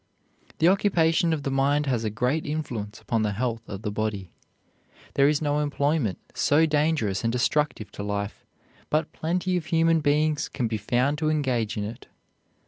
The occupation of the mind has a great influence upon the health of the body. There is no employment so dangerous and destructive to life but plenty of human beings can be found to engage in it.